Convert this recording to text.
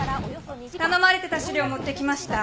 頼まれてた資料持ってきました。